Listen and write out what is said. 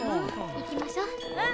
行きましょう。